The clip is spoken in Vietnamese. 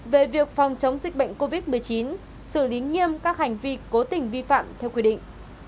về việc phòng chống dịch bệnh covid một mươi chín xử lý nghiêm các hành vi cố tình vi phạm theo quy định